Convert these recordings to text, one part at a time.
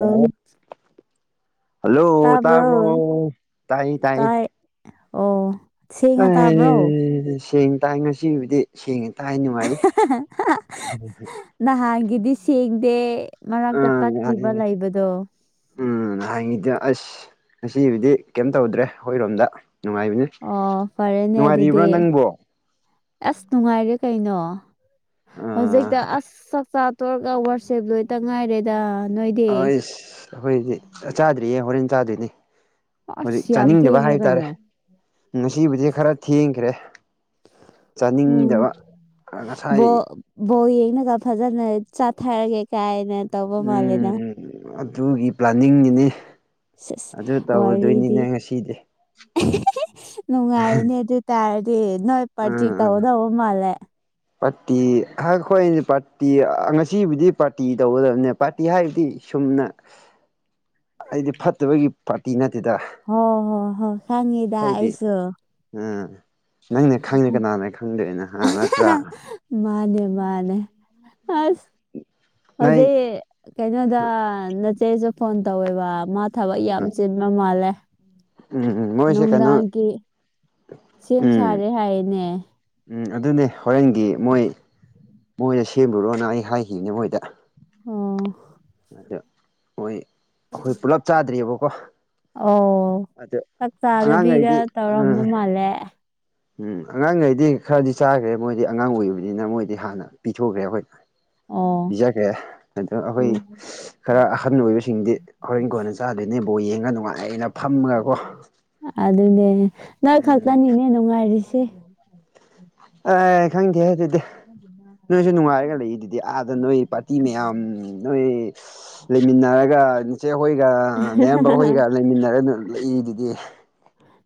ꯑꯣ ꯑꯪ ꯍꯜꯂꯣ! ꯇꯥꯕ꯭ꯔꯣ ꯇꯥꯏꯌꯦ ꯇꯥꯏꯌꯦ ꯇꯥꯏ ꯑꯣ ꯁꯦꯡꯅ ꯇꯥꯕ꯭ꯔꯣ ꯑꯦ ꯁꯦꯡ ꯇꯥꯏ ꯉꯁꯤꯕꯨꯗꯤ ꯁꯦꯡꯉꯦ ꯇꯥꯏ ꯅꯨꯡꯉꯥꯏ ꯅꯍꯥꯟꯒꯤꯗꯤ ꯁꯦꯡꯗꯦ ꯃꯔꯛꯇ ꯑꯥ ꯇꯠꯈꯤꯕ ꯌꯥꯔꯦꯅꯦ ꯂꯩꯕꯗꯣ꯫ ꯎꯝ ꯅꯍꯥꯟꯒꯤꯗꯤ ꯑꯁ ꯉꯁꯤꯕꯨꯗꯤ ꯀꯩꯝ ꯇꯧꯗ꯭ꯔꯦ ꯑꯩꯈꯣꯏꯔꯣꯝꯗ ꯅꯨꯡꯉꯥꯏꯕꯅꯤ ꯑꯣ ꯐꯔꯦꯅꯦ ꯅꯨꯡꯉꯥꯏꯔꯤꯕ꯭ꯔꯥ ꯑꯗꯨꯗꯤ ꯅꯪꯕꯣ? ꯑꯁ ꯅꯨꯡꯉꯥꯏꯔꯦ ꯀꯩꯅꯣ ꯑꯥ ꯍꯧꯖꯤꯛꯇ ꯑꯁ ꯆꯥꯛꯆꯥ ꯇꯣꯛꯔꯒ ꯋꯥꯔꯁꯤꯞ ꯂꯣꯏꯇ ꯉꯥꯏꯔꯦꯗ ꯅꯣꯏꯗꯤ ꯑꯩꯁ ꯑꯩꯈꯣꯏꯗꯤ ꯆꯥꯗ꯭ꯔꯤꯌꯦ ꯍꯣꯔꯦꯟ ꯆꯥꯗꯣꯏꯅꯦ ꯍꯧꯖꯤꯛ ꯑꯁ ꯌꯥꯝ ꯆꯥꯅꯤꯡꯗꯕ ꯊꯦꯡꯉꯦ ꯍꯥꯏꯇꯥꯔꯦ ꯀꯩꯅꯣ ꯉꯁꯤꯕꯨꯗꯤ ꯈꯔ ꯊꯦꯡꯈ꯭ꯔꯦ꯫ ꯎꯝ ꯆꯥꯅꯤꯡꯗꯕ ꯑ ꯉꯁꯥꯏ ꯕꯣꯜ ꯕꯣꯜ ꯌꯦꯡꯉꯒ ꯐꯖꯅ ꯆꯥꯊꯔꯒꯦ ꯀꯥꯏꯅ ꯇꯧꯕ ꯃꯥꯜꯂꯦꯅ ꯎꯝ ꯑꯗꯨꯒꯤ ꯄ꯭ꯂꯥꯅꯤꯡꯅꯤꯅꯦ ꯁꯤꯁ ꯑꯗꯨ ꯇꯧꯔꯗꯣꯏꯅꯤꯅꯦ ꯋꯥꯔꯤꯗꯤ ꯉꯁꯤꯗꯤ ꯅꯨꯡꯉꯥꯏꯅꯦ ꯑꯗꯨ ꯇꯔꯗꯤ ꯅꯣꯏ ꯄꯥꯔꯇꯤ ꯎꯝ ꯎꯝ ꯇꯧꯗꯧꯕ ꯃꯥꯜꯂꯦ ꯄꯥꯔꯇꯤ ꯑꯍꯈꯣꯏ ꯄꯥꯔꯇꯤ ꯉꯁꯤꯕꯨꯗꯤ ꯄꯥꯔꯇꯤ ꯇꯧꯒꯗꯕꯅꯦꯕ ꯄꯥꯔꯇꯤ ꯍꯥꯏꯕꯗꯤ ꯁꯨꯝꯅ ꯍꯥꯏꯗꯤ ꯐꯠꯇꯕꯒꯤ ꯄꯥꯔꯇꯤ ꯅꯠꯇꯦꯗ ꯍꯣ ꯍꯣ ꯍꯣ ꯈꯪꯉꯦꯗꯥ ꯍꯥꯏꯗꯤ ꯑꯩꯁꯨ ꯎꯝ ꯅꯪꯅ ꯈꯪꯅꯤ ꯀꯅꯥꯅ ꯈꯪꯗꯣꯏꯅꯣ ꯍꯥ ꯅꯠꯇ꯭ꯔꯥ ꯃꯥꯅꯦ ꯃꯥꯅꯦ ꯑꯁ ꯅꯣꯏ ꯐꯖꯩꯌꯦ ꯀꯩꯅꯣꯗ ꯅꯆꯦꯁꯨ ꯐꯣꯟ ꯇꯧꯋꯦꯕ ꯃꯥ ꯊꯕꯛ ꯌꯥꯝ ꯆꯤꯟꯕ ꯃꯥꯜꯂꯦ꯫ ꯎꯝ ꯎꯝ ꯃꯣꯏꯁꯦ ꯀꯩꯅꯣ ꯅꯨꯡꯗꯥꯡꯀꯤ ꯁꯦꯝ ꯎꯝ ꯁꯥꯔꯦ ꯍꯥꯏꯌꯦꯅꯦ ꯎꯝ ꯑꯗꯨꯅꯦ ꯍꯣꯔꯦꯟꯒꯤ ꯃꯣꯏ ꯃꯣꯏꯗ ꯁꯦꯝꯂꯨꯔꯣꯅ ꯑꯩ ꯍꯥꯏꯈꯤꯕꯅꯦ ꯃꯣꯏꯗ꯫ ꯑꯣ ꯑꯗꯣ ꯃꯣꯏ ꯑꯩꯈꯣꯏ ꯄꯨꯂꯞ ꯆꯥꯗ꯭ꯔꯤꯑꯦꯕꯀꯣ ꯑꯣ ꯆꯥꯛ ꯆꯥꯗꯕꯤꯗ ꯑꯉꯥꯡꯈꯩꯗꯤ ꯎꯝ ꯇꯧꯔꯝꯕ ꯃꯥꯜꯂꯦ꯫ ꯎꯝ ꯑꯉꯥꯡꯈꯩꯗꯤ ꯈꯔꯗꯤ ꯆꯥꯈ꯭ꯔꯦ ꯃꯣꯏꯗꯤ ꯑꯉꯥꯡ ꯑꯣꯏꯕꯅꯤꯅ ꯃꯣꯏꯗꯤ ꯍꯥꯟꯅ ꯄꯤꯊꯣꯛꯈ꯭ꯔꯦ ꯑꯩꯈꯣꯏꯅ ꯑꯣ ꯄꯤꯖꯈ꯭ꯔꯦ ꯑꯗꯣ ꯑꯩꯈꯣꯏ ꯎꯝ ꯈꯔ ꯑꯍꯜ ꯑꯣꯏꯕꯁꯤꯡꯗꯤ ꯍꯣꯔꯦꯟ ꯀꯣꯟꯅ ꯆꯥꯗꯣꯏꯅꯦ ꯕꯣꯜ ꯌꯦꯡꯉ ꯅꯨꯡꯉꯥꯏꯅ ꯐꯝꯃꯒꯀꯣ꯫ ꯑꯗꯨꯅꯦ ꯅꯣꯏ ꯎꯝ ꯈꯛꯇꯅꯤꯅꯦ ꯅꯨꯡꯉꯥꯏꯔꯤꯁꯦ꯫ ꯑꯦ ꯈꯪꯗꯦꯍꯦ ꯑꯗꯨꯗꯤ ꯅꯣꯏꯁꯨ ꯅꯨꯡꯉꯥꯏꯔꯒ ꯂꯩ ꯌꯤꯗꯨꯗꯤ ꯑꯥꯗ ꯅꯣꯏ ꯄꯥꯔꯇꯤ ꯃꯌꯥꯝ ꯅꯣꯏ ꯂꯩꯃꯤꯟꯅꯔꯒ ꯅꯆꯦ ꯍꯣꯏꯒ ꯅꯌꯥꯝꯕ ꯍꯣꯏꯒ ꯂꯩꯃꯤꯟꯅꯔꯒ ꯂꯩꯗꯨꯗꯤ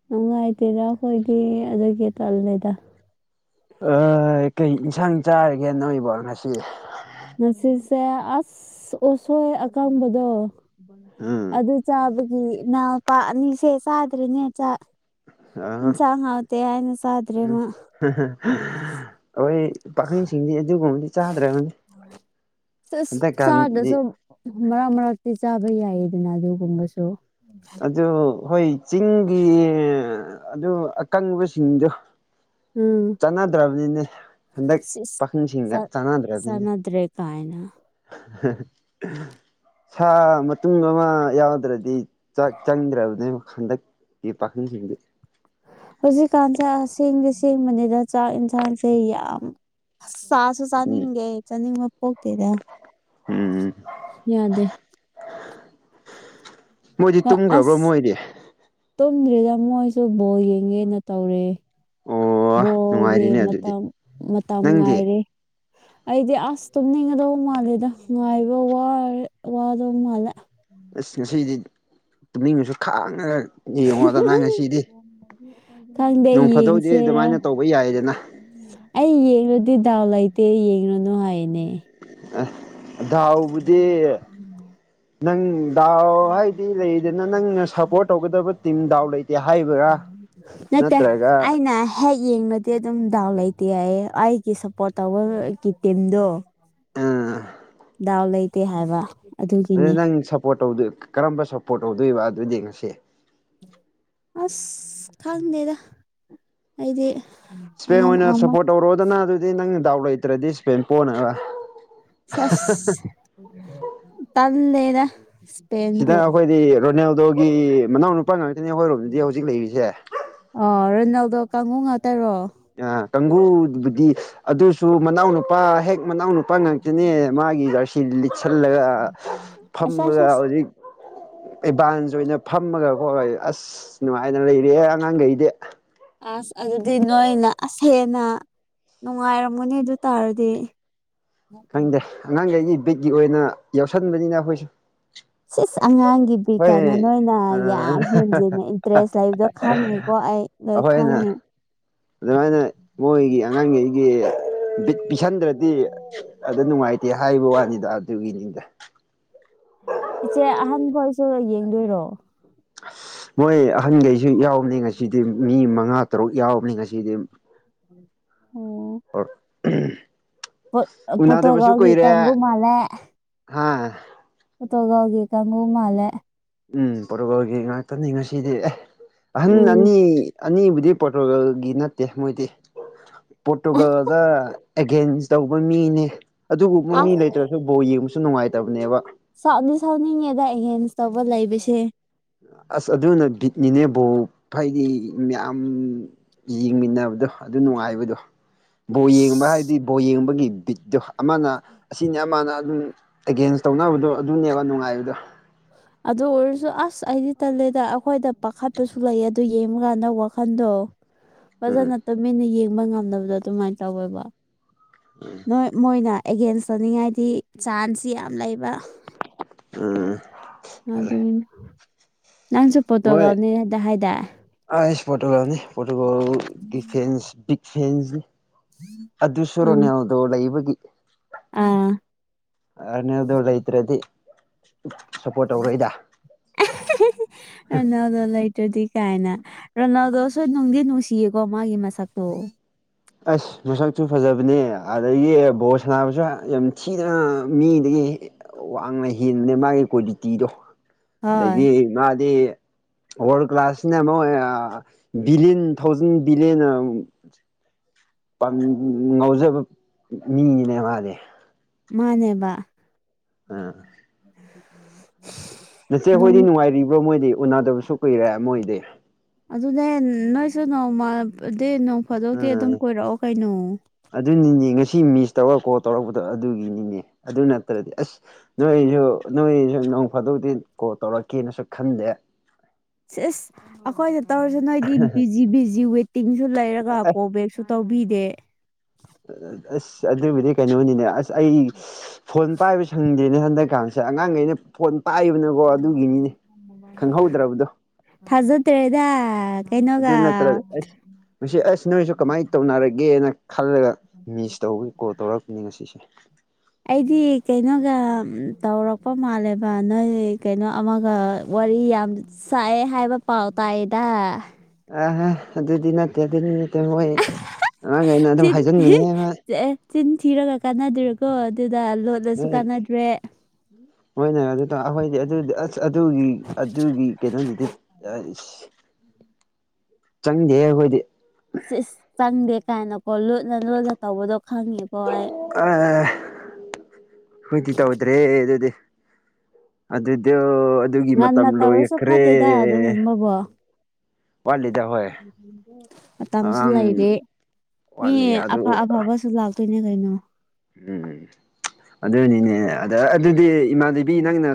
ꯅꯨꯡꯉꯥꯏꯇꯦꯗ ꯑꯩꯈꯣꯏꯗꯤ ꯑꯗꯨꯒꯤ ꯇꯜꯂꯦꯗ ꯑ ꯀꯩ ꯏꯟꯁꯥꯡ ꯆꯥꯔꯒꯦ ꯅꯧꯏꯕꯣ ꯉꯁꯤ ꯉꯁꯤꯁꯦ ꯑꯁ ꯎꯁꯣꯏ ꯑꯀꯪꯕꯗꯣ ꯎꯝ ꯑꯗꯨ ꯆꯥꯕꯒꯤ ꯏꯅꯥꯎꯄꯥ ꯑꯅꯤꯁꯦ ꯆꯥꯗ꯭ꯔꯤꯅꯦ ꯆꯥꯛ ꯑ ꯏꯟꯁꯥꯡ ꯍꯥꯎꯇꯦ ꯍꯥꯏꯅ ꯆꯥꯗ꯭ꯔꯦ ꯃꯥ ꯑꯈꯣꯏ ꯄꯥꯈꯪꯁꯤꯡꯗꯤ ꯑꯗꯨꯒꯨꯝꯕꯗꯤ ꯆꯥꯗ꯭ꯔꯕꯅꯤ ꯑꯁ ꯍꯟꯗꯛꯀꯥꯟꯗꯤ ꯆꯥꯗ꯭ꯔꯁꯨ ꯃꯔꯛ ꯃꯔꯛꯇꯤ ꯆꯥꯕ ꯌꯥꯏꯌꯦꯗꯅ ꯑꯗꯨꯒꯨꯝꯕꯁꯨ ꯑꯗꯨ ꯍꯣꯏ ꯆꯤꯡꯒꯤ ꯑꯗꯨ ꯑꯀꯪꯕꯁꯤꯡꯗꯨ ꯎꯝ ꯆꯥꯟꯅꯗ꯭ꯔꯕꯅꯤꯅꯦ ꯍꯟꯗꯛ ꯁꯤꯁ ꯄꯥꯈꯪꯁꯤꯡꯒ ꯆꯥꯟꯅꯗ꯭ꯔꯕꯅꯤꯅꯦ ꯇꯥꯏꯅꯥ ꯁꯥ ꯃꯇꯨꯝ ꯑꯃ ꯌꯥꯎꯗ꯭ꯔꯗꯤ ꯆꯥꯛ ꯆꯪꯗ꯭ꯔꯕꯅꯦꯕ ꯍꯟꯗꯛ ꯀꯤ ꯄꯥꯈꯪꯁꯤꯡꯗꯤ ꯍꯧꯖꯤꯛꯀꯥꯟꯁꯦ ꯑꯁꯦꯡꯗꯤ ꯁꯦꯡꯕꯅꯤꯗ ꯆꯥꯛ ꯌꯦꯟꯁꯥꯡꯁꯦ ꯌꯥꯝ ꯑꯁ ꯆꯥꯁꯨ ꯎꯝ ꯆꯅꯤꯡꯗꯦ ꯆꯅꯤꯡꯕ ꯄꯣꯛꯇꯦꯗ ꯎꯝ ꯌꯥꯗꯦ ꯃꯣꯏꯗꯤ ꯇꯨꯝꯈ꯭ꯔꯕ꯭ꯔꯣ ꯑꯁ ꯃꯣꯏꯗꯤ ꯇꯨꯝꯗ꯭ꯔꯤꯗ ꯃꯣꯏꯁꯨ ꯕꯣꯜ ꯌꯦꯡꯒꯦꯅ ꯇꯧꯔꯦ ꯑꯣ ꯕꯣꯜꯒꯤ ꯅꯨꯡꯉꯥꯏꯔꯤꯅꯦ ꯑꯗꯨꯗꯤ ꯃꯇꯝ ꯃꯇꯝ ꯅꯪꯗꯤ ꯉꯥꯏꯔꯤ ꯑꯩꯗꯤ ꯑꯁ ꯇꯨꯝꯅꯤꯡꯒꯗꯧ ꯃꯥꯜꯂꯦꯗ ꯉꯥꯏꯕ ꯋꯥꯔꯦ ꯋꯥꯗꯧ ꯃꯥꯜꯂꯦ ꯑꯁ ꯉꯁꯤꯗꯤ ꯇꯨꯝꯅꯤꯡꯉꯁꯨ ꯈꯥꯡꯉꯒ ꯌꯦꯡꯉꯣꯗꯅ ꯉꯁꯤꯗꯤ ꯈꯪꯗꯦ ꯅꯣꯡ ꯐꯥꯗꯣꯛꯗꯤ ꯌꯦꯡꯁꯦꯔ ꯑꯗꯨꯃꯥꯏꯅ ꯇꯧꯕ ꯌꯥꯏꯗꯅ ꯑꯩ ꯌꯦꯡꯂꯗꯤ ꯗꯥꯎ ꯂꯩꯇꯦ ꯌꯦꯡꯂꯨꯅꯨ ꯍꯥꯏꯅꯦ ꯑ ꯗꯥꯎꯕꯨꯗꯤ ꯅꯪ ꯗꯥꯎ ꯍꯥꯏꯗꯤ ꯂꯩꯗꯅ ꯅꯪꯅ ꯁꯞꯄꯣꯔꯠ ꯇꯧꯒꯗꯕ ꯇꯤꯝ ꯗꯥꯎ ꯂꯩꯇꯦ ꯍꯥꯏꯕ꯭ꯔꯥ ꯅꯠꯇꯦ ꯅꯠꯇ꯭ꯔꯒ ꯑꯩꯅ ꯍꯦꯛ ꯌꯦꯡꯂꯗꯤ ꯑꯗꯨꯝ ꯗꯥꯎ ꯂꯩꯇꯦ ꯍꯥꯏꯍꯦ ꯑꯩꯒꯤ ꯁꯞꯄꯣꯔꯠ ꯇꯧꯕꯒ ꯒꯤ ꯇꯤꯝꯗꯣ ꯗꯥꯎ ꯂꯩꯇꯦ ꯍꯥꯏꯕ ꯑꯗꯨꯗꯤ ꯑꯗꯨꯒꯤꯅꯦ ꯅꯪ ꯁꯞꯄꯣꯔꯠ ꯇꯧꯗꯣꯏ ꯀꯔꯝꯕ ꯁꯞꯄꯣꯔꯠ ꯇꯧꯗꯣꯏꯕ ꯑꯗꯨꯗꯤ ꯉꯁꯤ ꯑꯁ ꯈꯪꯗꯦꯗ ꯑꯩꯗꯤ ꯁ꯭ꯄꯦꯟ ꯑꯉꯝ ꯑꯣꯏꯅ ꯑꯃ ꯁꯞꯄꯣꯔꯠ ꯇꯧꯔꯣꯗꯅ ꯑꯗꯨꯗꯤ ꯅꯪꯅ ꯗꯥꯎ ꯂꯩꯇ꯭ꯔꯗꯤ ꯁ꯭ꯄꯦꯟ ꯄꯣꯅꯕ ꯁꯦꯁ ꯇꯜꯂꯦꯗ ꯁꯤꯗ ꯏꯁꯄꯦꯟꯕꯨ ꯑꯈꯣꯏꯗꯤ ꯔꯣꯅꯦꯜꯗꯣꯒꯤ ꯃꯅꯥꯎ ꯅꯨꯄꯥ ꯉꯥꯛꯇꯅꯤ ꯑꯩꯈꯣꯏꯔꯣꯝꯗꯗꯤ ꯍꯧꯖꯤꯛ ꯂꯩꯔꯤꯁꯦ ꯑꯣ ꯔꯣꯅꯦꯜꯗꯣ ꯀꯥꯡꯒꯨ ꯉꯥꯛꯇꯔꯣ ꯑ ꯀꯥꯡꯒꯨꯕꯨꯗꯤ ꯑꯗꯨꯁꯨ ꯃꯅꯥꯎ ꯅꯨꯄꯥ ꯍꯦꯛ ꯃꯅꯥꯎ ꯅꯨꯄꯥ ꯉꯥꯛꯇꯅꯦ ꯃꯥꯒꯤ ꯖꯥꯔꯁꯤ ꯂꯤꯠꯁꯜꯂꯒ ꯑꯁ ꯑꯁ ꯐꯝꯃꯒ ꯑꯁ ꯍꯧꯖꯤꯛ ꯑꯦꯠꯚꯥꯟꯁ ꯑꯣꯏꯅ ꯐꯝꯃꯒ ꯈꯣꯏ ꯑꯁ ꯅꯨꯡꯉꯥꯏꯅ ꯂꯩꯔꯤ ꯍꯦ ꯑꯉꯥꯡꯒꯩꯗꯤ ꯑꯁ ꯑꯗꯨꯗꯤ ꯅꯣꯏꯅ ꯑꯁ ꯍꯦꯟꯅ ꯅꯨꯡꯉꯥꯏꯔꯝꯒꯅꯤ ꯑꯗꯨ ꯇꯥꯔꯗꯤ ꯈꯪꯗꯦ ꯑꯉꯥꯡꯒꯩꯒꯤ ꯕꯤꯠꯀꯤ ꯑꯣꯏꯅ ꯌꯥꯎꯁꯟꯕꯅꯤꯗ ꯑꯩꯈꯣꯏꯁꯨ ꯁꯤꯁ ꯑꯉꯥꯡꯒꯤ ꯄꯤ ꯍꯣꯏ ꯀꯥꯟꯅ ꯅꯣꯏꯅ ꯑ ꯌꯥꯝ ꯍꯦꯟꯖꯤꯟꯅ ꯏꯟꯇꯔꯦꯁ ꯂꯩꯕꯗꯣ ꯈꯪꯉꯦꯀꯣ ꯑꯩ ꯂꯣꯏ ꯑꯩꯈꯣꯏꯅ ꯈꯪꯉꯦ ꯑꯗꯨꯃꯥꯏꯅ ꯃꯣꯏꯒꯤ ꯑꯉꯥꯡꯒꯩꯒꯤ ꯕꯤꯠ ꯄꯤꯁꯟꯗ꯭ꯔꯗꯤ ꯑꯗꯨ ꯅꯨꯡꯉꯥꯏꯇꯦ ꯍꯥꯏꯕ ꯋꯥꯅꯤꯗ ꯑꯗꯨꯒꯤꯅꯤꯗ ꯏꯆꯦ ꯑꯍꯥꯟ ꯈꯣꯏꯁꯨ ꯌꯦꯡꯗꯣꯏꯔꯣ [unintelligible] ꯃꯣꯏ ꯑꯍꯟꯒꯩꯁꯨ ꯌꯥꯎꯕꯅꯤ ꯉꯁꯤꯗꯤ ꯃꯤ ꯃꯉꯥ ꯇꯔꯨꯛ ꯌꯥꯎꯕꯅꯤ ꯉꯁꯤꯗꯤ [unintelligible] ꯑꯣ ꯑꯣꯛ [unintelligible] ꯄꯣꯠ ꯑ ꯄꯣꯠꯇꯨꯒꯜꯒꯤ ꯀꯪꯒꯨ ꯃꯥꯜꯂꯦ ꯍꯥꯥ ꯄꯣꯇꯨꯒꯜꯒꯤ ꯀꯪꯉꯨ ꯃꯥꯂꯦ ꯎꯝ ꯄꯣꯔꯇꯨꯒꯜꯒꯤ ꯉꯥꯛꯇꯅꯤ ꯉꯁꯤꯗꯤ ꯑꯦ ꯑꯍꯟ ꯎꯝ ꯑꯅꯤ ꯑꯅꯤꯕꯨꯗꯤ ꯄꯣꯔꯇꯨꯒꯜꯒꯤ ꯅꯠꯇꯦ ꯃꯣꯏꯗꯤ ꯄꯣꯔꯇꯨꯒꯜꯗ ꯑꯦꯒꯦꯟꯁ ꯇꯧꯕ ꯃꯤꯅꯦ ꯑꯗꯨꯕꯨ [unintelligible] ꯃꯤ ꯑꯁ ꯂꯩꯇ꯭ꯔꯁꯨ ꯕꯣꯜ ꯌꯦꯡꯕꯁꯨ ꯅꯨꯡꯉꯥꯏꯇꯕꯅꯦꯕ ꯁꯥꯎꯗꯤ ꯁꯥꯎꯅꯤꯡꯉꯦꯕ ꯑꯦꯒꯦꯟꯁ ꯇꯧꯕ ꯂꯩꯕꯁꯦ ꯑꯁ ꯑꯗꯨꯅ ꯕꯤꯠꯅꯤꯅꯦ ꯕꯣꯜ ꯐꯥꯏꯒꯤ ꯌꯥꯝ ꯌꯦꯡꯃꯤꯟꯅꯕꯗꯣ ꯑꯗꯨ ꯅꯨꯡꯉꯥꯏꯕꯗꯣ ꯕꯣ ꯌꯦꯡꯕ ꯑꯁ ꯍꯥꯏꯗꯤ ꯕꯣ ꯌꯦꯡꯕꯒꯤ ꯕꯤꯠꯇꯣ ꯑꯃꯅ ꯑꯁꯤꯅꯤ ꯑꯃꯅ ꯑꯗꯨꯅꯤ ꯑꯦꯒꯦꯟꯁ ꯇꯧꯅꯕꯗꯣ ꯑꯗꯨꯅꯦꯕ ꯅꯨꯡꯉꯥꯏꯕꯗꯣ ꯑꯗꯨ ꯑꯣꯏꯔꯁꯨ ꯑꯁ ꯑꯩꯗꯤ ꯇꯜꯂꯦꯗ ꯑꯈꯣꯏꯗ ꯄꯥꯈꯠꯄꯁꯨ ꯂꯩꯌꯦ ꯑꯗꯨ ꯌꯦꯡꯕꯀꯥꯟꯗ ꯋꯥꯈꯟꯗꯣ [unintelligible] ꯐꯖꯅ ꯇꯨꯃꯤꯟꯅ ꯌꯦꯡꯕ ꯉꯝꯗꯕꯗꯣ ꯑꯗꯨꯃꯥꯏ ꯇꯧꯋꯦꯕ [unintelligible] ꯎꯝ ꯃꯣꯏ ꯃꯣꯏꯅ ꯑꯦꯒꯦꯟꯁ ꯇꯧꯅꯤꯡꯉꯥꯏꯗꯤ ꯆꯥꯟꯁꯁꯤ ꯌꯥꯝ ꯂꯩꯕ ꯑꯥ ꯑꯗꯨꯅꯤ ꯅꯪꯁꯨ ꯃꯣꯏ ꯄꯣꯇꯣꯒꯜꯅꯦ ꯗ ꯍꯥꯏꯗꯥꯏ ꯑꯩꯁ ꯄꯣꯇꯨꯒꯜꯅꯤ ꯄꯣꯇꯨꯒꯜ ꯒꯤ ꯐꯦꯟꯁ ꯕꯤꯛ ꯐꯦꯟꯁꯅꯤ ꯑꯗꯨꯁꯨꯨ ꯎꯝ ꯔꯣꯅꯥꯜꯗꯣ ꯂꯩꯕꯒꯤ ꯑꯥ ꯑꯅꯌꯥꯗꯣ ꯂꯩꯇ꯭ꯔꯗꯤ [unintelligible] ꯁꯞꯄꯣꯠ ꯇꯧꯔꯣꯏꯗ ꯔꯣꯅꯥꯜꯗꯣ ꯂꯩꯇ꯭ꯔꯗꯤ ꯀꯥꯏꯅ ꯔꯣꯅꯥꯜꯗꯣ ꯁꯨ ꯅꯨꯡꯗꯤ ꯅꯨꯡꯁꯤꯌꯦꯀꯣ ꯃꯥꯒꯤ ꯃꯁꯛꯇꯣ [unintelligible] ꯑꯁ ꯃꯁꯛꯁꯨ ꯐꯖꯕꯅꯦ ꯑꯗꯒꯤ ꯕꯣ ꯁꯥꯟꯅꯕꯁꯨ ꯑ ꯌꯥꯝ ꯊꯤꯅ ꯃꯤꯗꯒꯤ ꯍꯦ [unintelligible] [unintelligible] ꯋꯥꯡꯅ ꯍꯦꯟꯕꯅꯦ ꯃꯥꯒꯤ ꯀ꯭ꯋꯥꯟꯇꯤꯇꯤꯗꯣ ꯍꯣꯏ ꯑꯗꯒꯤ ꯃꯥꯗꯤ ꯋꯥꯔꯜ ꯀ꯭ꯂꯥꯁꯁꯤꯅ ꯃꯣꯏ ꯑꯥ ꯑꯥ ꯑꯥ ꯕꯤꯂꯤꯌꯟ ꯊꯧꯖꯟ ꯕꯤꯂꯤꯌꯟ ꯑ [unintelligible] ꯄꯥꯝ [unintelligible] ꯉꯥꯎꯖꯕ ꯃꯤꯅꯤꯅꯦ ꯃꯥꯗꯤ ꯃꯥꯅꯦꯕ ꯑꯥ [unintelligible] ꯅꯆꯦ ꯍꯣꯏꯗꯤ ꯅꯨꯡ ꯅꯨꯡꯉꯥꯏꯔꯤꯕꯣ ꯃꯣꯏꯗꯤ ꯎꯅꯗꯕꯁꯨ ꯀꯨꯏꯔꯦ ꯃꯣꯏꯗꯤ ꯑꯗꯨꯅꯦ ꯑ ꯅꯣꯏꯁꯨ ꯅꯣꯡꯃ ꯗꯤ ꯅꯣꯡ ꯐꯥꯗꯣꯛꯇꯤ ꯑꯥ ꯑꯗꯨꯝ ꯀꯣꯏꯔꯛꯑꯣ ꯀꯩꯅꯣ ꯑꯗꯨꯅꯤꯅꯦ ꯉꯁꯤ ꯃꯤꯁ ꯇꯧꯔ ꯀꯣꯜ ꯇꯧꯔꯛꯄꯗꯣ ꯑꯗꯨꯒꯤꯅꯤꯅꯦ ꯑꯗꯨ ꯅꯠꯇ꯭ꯔꯗꯤ ꯑꯁ ꯅꯣꯏꯖꯨ ꯅꯣꯏꯖꯨ ꯅꯣꯡ ꯐꯥꯗꯣꯛꯇꯤ ꯀꯣꯜ ꯇꯧꯔꯛꯀꯦꯅꯁꯨ ꯈꯟꯗꯦ ꯁꯤꯁ ꯑꯈꯣꯏꯗ ꯇꯧꯔꯁꯨ ꯅꯣꯏꯒꯤ ꯕꯤꯖꯤ ꯕꯤꯖꯤ ꯋꯦꯇꯤꯡꯁꯨ ꯂꯩꯔꯒ ꯀꯣ ꯕꯦꯛ ꯁꯨ ꯇꯧꯕꯤꯗꯦ ꯑ ꯑ ꯑꯁ ꯑꯗꯨꯕꯨꯗꯤ ꯀꯩꯅꯣꯅꯤꯅꯦ ꯑꯁ ꯑꯩ [unintelligible] [unintelligible] ꯐꯣꯟ ꯄꯥꯏꯕ ꯁꯪꯗꯦꯅꯦ ꯍꯟꯗꯛꯀꯥꯡꯁꯦ ꯑꯉꯥꯡꯒꯩꯅ ꯐꯣꯟ ꯄꯥꯏꯕꯅ [unintelligible] ꯊꯥꯖꯗ꯭ꯔꯦꯗ ꯑꯗꯨ ꯀꯩꯅꯣꯒ ꯅꯠꯇ꯭ꯔ ꯑꯁ ꯃꯁꯤ ꯑꯁ ꯅꯣꯏꯁꯨ ꯀꯃꯥꯏ ꯇꯧꯅꯔꯒꯦꯅ ꯈꯜꯂꯒ ꯃꯤꯁ ꯇꯧꯕꯒꯤ ꯀꯣꯜ ꯇꯧꯔꯛꯄꯅꯤ ꯉꯁꯤꯁꯦ ꯑꯩꯗꯤ ꯀꯩꯅꯣꯒ ꯎꯝ ꯇꯧꯔꯛꯄ ꯃꯥꯜꯂꯦꯕ ꯅꯣꯏ ꯀꯩꯅꯣ ꯑꯃꯒ ꯋꯥꯔꯤ ꯌꯥꯝ ꯁꯥꯏꯑꯦ ꯍꯥꯏꯕ ꯄꯥꯎ ꯇꯥꯏꯗ ꯑꯍꯥ ꯑꯗꯨꯗꯤ ꯅꯠꯇꯦ ꯑꯗꯨꯗꯤ ꯅꯠꯇꯦ ꯃꯣꯏ ꯑꯉꯥꯡꯈꯩꯅ ꯑꯗꯨꯝ ꯍꯥꯏꯖꯤꯟꯕꯅꯤꯍꯦ ꯅꯣꯏ ꯆꯦ ꯆꯤꯟ ꯊꯤꯔꯒ ꯀꯥꯟꯅꯗ꯭ꯔꯦꯀꯣ ꯑꯗꯨꯗ ꯂꯣꯠ ꯅꯣꯏ ꯃꯣꯏꯅ ꯑꯗꯨꯇ ꯑꯩꯈꯣꯏꯗꯤ ꯑꯗꯨꯗꯤ ꯑꯁ ꯑꯗꯨꯒꯤ ꯑꯗꯨꯒꯤ ꯀꯩꯅꯣꯅꯤꯗꯤ ꯑꯥꯏꯁ ꯆꯪꯗꯦꯍꯦ ꯑꯩꯈꯣꯏꯗꯤ ꯁꯤꯁ ꯆꯪꯗꯦ ꯀꯥꯏꯅꯀꯣ ꯂꯣꯠꯅ ꯂꯣꯠꯅ ꯇꯧꯕꯗꯣ ꯈꯪꯉꯤꯀꯣ ꯑꯩ ꯀ ꯈꯣꯏꯗꯤ ꯇꯧꯗ꯭ꯔꯦ ꯑꯗꯨꯗꯤ ꯑꯗꯨꯗꯣ ꯑꯗꯨꯒꯤ ꯉꯟꯅ ꯃꯇꯝ ꯇꯧꯔꯁꯨ ꯐꯠꯇꯦꯗ ꯂꯣꯏꯈ꯭ꯔꯦ ꯑꯗꯨꯒꯨꯝꯕꯕꯣ ꯋꯥꯠꯂꯤꯗ ꯍꯣꯏ ꯃꯇꯝꯁꯨ ꯑꯉꯥꯡ ꯂꯩꯔꯤ ꯃꯤ ꯋꯥꯠꯂꯤ ꯑꯐ ꯑꯗꯨ ꯑꯐꯕꯁꯨ ꯂꯥꯛꯇꯣꯏꯅꯦ ꯀꯩꯅꯣ ꯎꯝ ꯑꯗꯨꯅꯤꯅꯦ ꯑꯗ ꯑꯗꯨꯗꯤ ꯏꯃꯥꯟꯅꯕꯤ ꯅꯪꯅ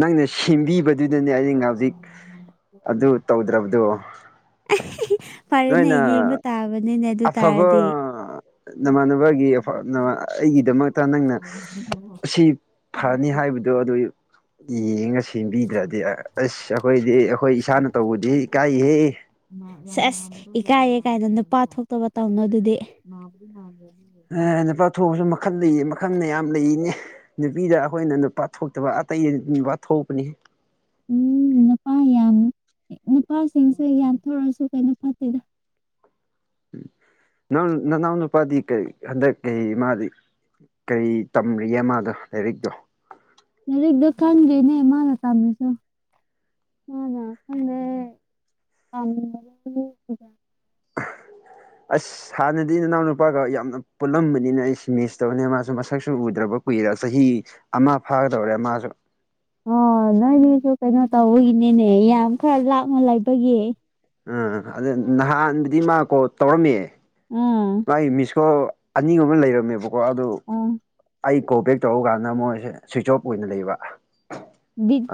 ꯅꯪꯅ ꯁꯦꯝꯕꯤꯕꯗꯨꯗꯅꯦ ꯑꯩ ꯉꯧꯖꯤꯛ ꯑꯗꯨ ꯇꯧꯗ꯭ꯔꯕꯗꯣ [unintelligible] ꯅꯣꯏꯅ ꯌꯦꯡꯕ ꯇꯥꯕꯅꯤꯅꯦ ꯑꯗꯨ ꯑꯐꯕ ꯇꯥꯔꯗꯤ ꯅꯃꯥꯟꯅꯕꯒꯤ ꯐꯅ ꯑꯩꯒꯤꯗꯃꯛꯇ ꯅꯪꯅ ꯁꯤ ꯐꯅꯤ ꯍꯥꯏꯕꯗꯣ ꯑꯗꯨ ꯌꯦꯡꯉ ꯁꯦꯝꯕꯤꯗ꯭ꯔꯗꯤ ꯑꯁ ꯑꯩꯈꯣꯏꯗꯤ ꯑꯩꯈꯣꯏ ꯏꯁꯥꯅ ꯇꯧꯕꯗꯤ ꯏꯀꯥꯏꯌꯦ ꯁꯦꯁ ꯏꯀꯥꯏꯌꯦ ꯀꯥꯏꯅ ꯅꯨꯄꯥ ꯊꯣꯛꯇꯕ ꯇꯧꯅꯣ ꯑꯗꯨꯗꯤ ꯉꯥꯄ꯭ꯔꯨꯝ ꯃꯥꯜꯂꯦ ꯑꯗꯨꯗꯣ ꯑꯥ ꯅꯨꯄꯥ ꯊꯣꯛꯑꯁꯨ ꯃꯈꯜ ꯂꯩꯌꯦ ꯃꯈꯜ ꯃꯌꯥꯝ ꯂꯩꯅꯦ ꯅꯨꯄꯤꯗ ꯑꯈꯣꯏꯅ ꯅꯨꯄꯥ ꯊꯣꯛꯇꯕ ꯑꯇꯩ ꯅꯨꯄꯥ ꯊꯣꯛꯄꯅꯤ ꯎꯝ ꯅꯨꯄꯥ ꯌꯥꯝ ꯅꯨꯄꯥꯁꯤꯡꯁꯦ ꯌꯥꯟꯊꯣꯔꯁꯨ ꯀꯩꯅꯣ ꯐꯠꯇꯦꯗ ꯅꯪ ꯅꯅꯥꯎꯅꯨꯄꯥꯗꯤ ꯀꯩ ꯍꯟꯗꯛ ꯀꯩ ꯃꯥꯗꯤ ꯀꯩ ꯇꯝꯔꯤꯒꯦ ꯃꯥꯗꯣ ꯂꯥꯏꯔꯤꯛꯇꯣ ꯂꯥꯏꯔꯤꯛꯂꯣ ꯈꯪꯗꯦꯅꯦ ꯃꯥꯅ ꯇꯥꯝꯔꯤꯗꯣ ꯃꯥꯅ ꯈꯪꯗ ꯇꯝꯂꯤꯗꯣ [unintelligible] ꯑꯁ ꯍꯥꯟꯅꯗꯤ ꯅꯅꯥꯎꯅꯨꯄꯥꯒ ꯌꯥꯝꯅ ꯄꯨꯜꯂꯝꯕꯅꯤꯅ ꯑꯩꯁꯦ ꯃꯤꯁ ꯇꯧꯅꯤ ꯃꯥꯁꯨ ꯃꯁꯛꯁꯨ ꯎꯗ꯭ꯔꯕ ꯀꯨꯏꯔ ꯆꯍꯤ ꯑꯃ ꯐꯥꯒꯗꯧꯔꯦ ꯃꯥꯁꯨ ꯑꯣ ꯅꯣꯏꯅꯤꯁꯨ ꯀꯩꯅꯣ ꯇꯧꯕꯒꯤꯅꯤꯅꯦ ꯌꯥꯝ ꯈꯔ ꯂꯥꯞꯅ ꯂꯩꯕꯒꯤ ꯑꯥ ꯑꯗꯨ ꯅꯍꯥꯟꯕꯨꯗꯤ ꯃꯥ ꯀꯣꯜ ꯇꯧꯔꯝꯃꯦ ꯑꯥ ꯃꯥꯒꯤ ꯃꯤꯁꯀꯣꯜ ꯑꯅꯤꯒꯨꯝꯕ ꯂꯩꯔꯝꯃꯦꯕꯀꯣ ꯑꯗꯨ ꯑꯥ ꯑꯩ ꯀꯣꯜꯕꯦꯛ ꯇꯧ ꯀꯥꯟꯗ ꯃꯣꯏꯁꯦ ꯁ꯭ꯋꯤꯁ ꯑꯣꯐ ꯑꯣꯏꯅ ꯂꯩꯕ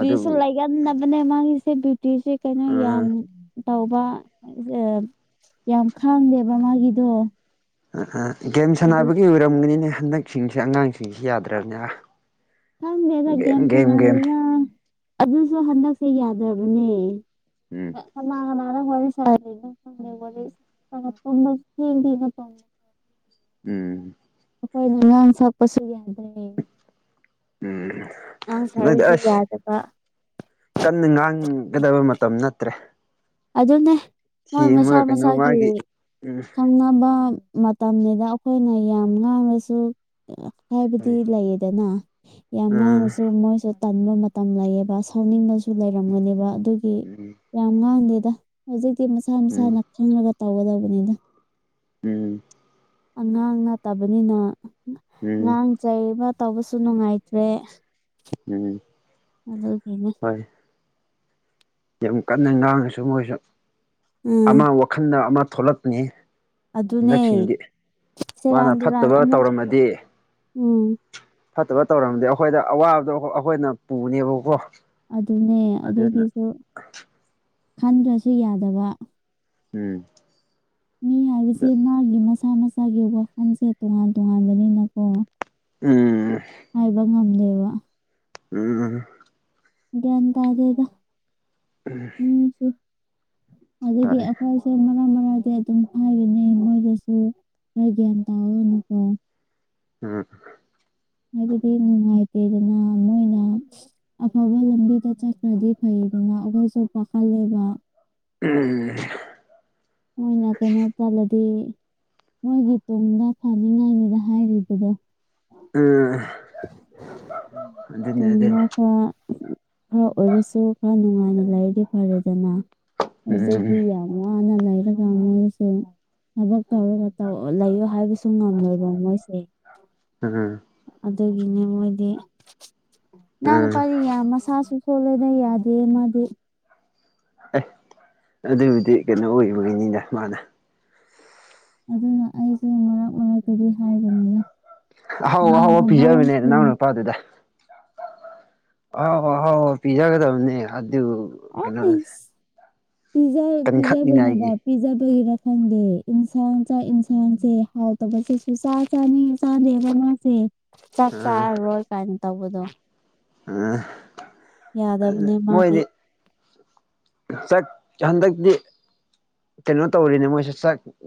ꯑꯗꯨ ꯂꯩꯒꯟꯗꯕꯅꯦ ꯃꯥꯒꯤꯁꯦ ꯕꯌꯨꯇꯤꯁꯦ ꯀꯩꯅꯣ ꯑꯥ ꯌꯥꯝ ꯇꯧꯕ ꯑ ꯌꯥꯝ ꯈꯥꯡꯗꯦꯕ ꯃꯥꯒꯤꯗꯣ ꯑꯍꯥ ꯒꯦꯝ ꯑꯗꯨ ꯁꯥꯟꯅꯕꯒꯤ ꯑꯣꯏꯔꯝꯒꯅꯤꯅꯦ ꯍꯟꯗꯛꯁꯤꯡꯁꯤ ꯑꯉꯥꯡꯁꯤꯡꯁꯤ ꯌꯥꯗ꯭ꯔꯕꯅꯤ ꯈꯪꯗꯦꯗꯥ ꯒꯦꯝ ꯁꯥꯟꯅꯔꯤꯔꯥ ꯑꯗꯨꯁꯨ ꯍꯟꯗꯛꯁꯦ ꯌꯥꯗ꯭ꯔꯕꯅꯦ ꯎꯝ ꯀꯅꯥ ꯀꯅꯥꯒ ꯋꯥꯔꯤ ꯁꯥꯔꯤꯅꯣ ꯈꯪꯗꯦ ꯋꯥꯔꯤ ꯁꯥꯟꯅ ꯇꯨꯝꯕ ꯊꯦꯡ ꯊꯦꯡꯅ ꯇꯨꯝꯃꯦ ꯎꯝ ꯑꯈꯣꯏꯅ ꯉꯥꯡ ꯁꯛꯄꯁꯨ ꯌꯥꯗ꯭ꯔꯦ ꯎꯝ ꯉꯥꯡ ꯅꯣꯏꯗꯤ ꯁꯛꯔꯁꯨ ꯑꯁ ꯌꯥꯗꯕ ꯀꯟꯅ ꯉꯥꯡꯒꯗꯕ ꯃꯇꯝ ꯅꯠꯇ꯭ꯔꯦ ꯑꯗꯨꯅꯦ ꯃꯣꯏ ꯃꯁꯥ ꯊꯦꯝꯃꯒ ꯀꯩꯅꯣ ꯃꯁꯥꯒꯤ ꯃꯥꯒꯤ ꯎꯝ ꯈꯪꯅꯕ ꯃꯇꯝꯅꯦꯗꯥ ꯑꯩꯈꯣꯏꯅ ꯌꯥꯝ ꯉꯥꯡꯉꯁꯨ ꯍꯥꯏꯕꯗꯤ ꯎꯝ ꯂꯩꯌꯦꯗꯅ ꯌꯥꯝ ꯉꯥꯡꯔꯥꯁꯨ ꯎꯝ ꯃꯣꯏꯁꯨ ꯇꯟꯕ ꯃꯇꯝ ꯂꯩꯌꯦꯕ ꯁꯥꯎꯅꯤꯡꯕꯁꯨ ꯂꯩꯔꯝꯒꯅꯦꯕ ꯑꯗꯨꯒꯤ ꯌꯥꯝ ꯉꯥꯡꯗꯦ ꯍꯧꯖꯤꯛꯇꯤ ꯃꯁꯥ ꯎꯝ ꯃꯁꯥꯅꯥ ꯈꯪꯉꯒ ꯇꯧꯒꯗꯧꯕꯅꯤꯗꯥ ꯎꯝ ꯑꯉꯥꯡ ꯅꯠꯇꯕꯅꯤꯅ ꯎꯝ ꯎꯝ ꯑꯉꯥꯡ ꯆꯩꯩꯕ ꯇꯧꯕꯁꯨ ꯅꯨꯡꯉꯥꯏꯇ꯭ꯔꯦ ꯎꯝ ꯑꯗꯨꯗꯒꯤꯅꯦ ꯍꯣꯏ ꯌꯥꯝ ꯀꯟꯅ ꯉꯥꯡꯉꯁꯨ ꯃꯣꯏꯁꯨ ꯑꯃ ꯎꯝ ꯋꯥꯈꯜꯗ ꯑꯃ ꯊꯣꯛꯂꯛꯄꯅꯤ ꯑꯗꯨꯅꯦ ꯍꯟꯗꯛꯁꯤꯡꯗꯤ ꯃꯥꯅ ꯁꯦꯔꯥꯟ ꯇꯨꯔꯥꯟ ꯐꯠꯇꯕ ꯑꯃꯨꯛ ꯇꯧꯔꯝꯃꯗꯤ ꯎꯝ ꯐꯠꯇꯕ ꯇꯧꯔꯝꯗꯤ ꯑꯩꯈꯣꯏꯗ ꯑꯋꯥꯕꯗꯣ ꯑꯩꯈꯣꯏꯅ ꯄꯨꯅꯦꯕꯀꯣ ꯑꯗꯨꯅꯦ ꯑꯗꯨꯅ ꯑꯗꯨꯒꯤꯁꯨ ꯈꯟꯗ꯭ꯔꯥꯁꯨ ꯌꯥꯗꯕ ꯎꯝ ꯃꯤ ꯍꯥꯏꯕꯁꯦ ꯃꯥꯒꯤ ꯃꯁꯥ ꯃꯁꯥꯒꯤ ꯋꯥꯈꯜꯁꯦ ꯇꯣꯉꯥꯟ ꯇꯣꯉꯥꯟꯕꯅꯤꯅꯀꯣ ꯎꯝ ꯍꯥꯏꯕ ꯉꯝꯗꯦꯕ ꯎꯝ ꯒꯌ꯭ꯥꯟ ꯇꯥꯗꯦꯗ ꯎꯝ ꯑꯗꯒꯤ ꯑꯩꯈꯣꯏ ꯑꯣ ꯃꯔꯥꯛ ꯃꯔꯥꯛꯗꯤ ꯑꯗꯨꯝ ꯍꯥꯏꯕꯅꯦ ꯃꯣꯏꯗꯁꯨ ꯈꯔ ꯒ꯭ꯌꯥꯟ ꯇꯥꯑꯣꯅꯀꯣ ꯑꯥ ꯍꯥꯏꯕꯗꯤ ꯅꯨꯡꯉꯥꯏꯇꯦꯗꯅ ꯃꯣꯏꯅ ꯑꯐꯕ ꯂꯝꯕꯤꯗ ꯆꯠꯈ꯭ꯔꯗꯤ ꯐꯩꯌꯦꯗꯅ ꯑꯩꯈꯣꯏꯁꯨ ꯄꯥꯈꯠꯂꯦꯕ ꯎꯝ ꯃꯣꯏꯅ ꯀꯩꯅꯣ ꯇꯜꯂꯗꯤ ꯃꯣꯏꯒꯤ ꯇꯨꯡꯗ ꯐꯅꯤꯡꯉꯥꯏꯅꯤꯗ ꯍꯥꯏꯔꯤꯕꯗꯣ ꯎꯝ ꯑꯗꯨꯅꯦ ꯀꯩꯅꯣ ꯑꯗꯨꯅꯦ ꯈꯔꯥ ꯈꯔ ꯑꯣꯏꯔꯁꯨ ꯈꯔ ꯅꯨꯡꯉꯥꯏꯅ ꯂꯩꯥꯏꯔꯗꯤ ꯐꯔꯦꯗꯅ ꯍꯧꯖꯤꯛꯗꯤ ꯎꯝ ꯌꯥꯝ ꯋꯥꯅ [inaudible] ꯂꯩꯔꯒ ꯃꯣꯏꯁꯨ ꯊꯕꯛ ꯇꯧꯔꯒ ꯇꯧ ꯂꯩꯌꯣ ꯍꯥꯏꯕꯁꯨ ꯉꯝꯃꯣꯏꯕ ꯃꯣꯏꯁꯦ ꯎꯝ ꯍꯨꯝ ꯑꯗꯨꯒꯤꯅꯦ ꯃꯣꯏꯗꯤ ꯅꯪ ꯎꯝ ꯅꯨꯄꯥꯗꯤ ꯌꯥꯝ ꯃꯁꯥꯁꯨ ꯁꯣꯜꯂꯦꯗꯥ ꯌꯥꯗꯦ ꯃꯥꯗꯤ ꯑꯦ ꯑꯗꯨꯕꯨꯗꯤ ꯀꯩꯅꯣ ꯑꯣꯏꯕꯒꯤꯅꯤꯗꯥ ꯃꯥꯗꯨ ꯑꯗꯨꯅ ꯑꯩꯁꯨ ꯃꯔꯛ ꯃꯔꯛ ꯇꯗꯤ ꯍꯥꯏꯕꯅꯤꯅ ꯃꯥꯃꯥꯟꯅꯥꯕꯥꯁꯤꯡ ꯐꯥꯗꯦꯗꯥ ꯑꯥꯍꯥꯎ ꯑꯥꯍꯥꯎꯕꯥ ꯄꯤꯖꯥꯒꯗꯕꯅꯦ ꯑꯗꯨ ꯑꯉꯥꯡꯁꯦ ꯄꯤꯖꯥ ꯄꯤꯖꯥꯕꯅꯦꯕꯥ ꯄꯤꯖꯕꯒꯤꯔꯥ ꯈꯪꯗꯦ ꯏꯟꯁꯥꯡ ꯆꯥꯛ ꯏꯟꯁꯥꯡꯁꯦ ꯍꯥꯎꯇꯥꯕꯁꯤꯁꯨ ꯆꯥꯛ ꯆꯥꯅꯤꯡ ꯆꯥꯗꯦꯕ ꯃꯥꯁꯦ ꯆꯥꯛ ꯑ ꯆꯥꯔꯔꯣꯏ ꯀꯥꯏꯅ ꯇꯧꯕꯗꯣ ꯑ ꯌꯥꯗꯕꯅꯦ ꯃꯥꯗꯤ ꯆꯛ ꯍꯟꯗꯛꯇꯤ ꯀꯩꯅꯣ ꯇꯧꯔꯦꯅꯦ ꯃꯣꯏꯁꯦ ꯆꯛ